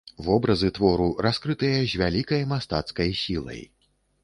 Вобразы твору раскрытыя з вялікай мастацкай сілай.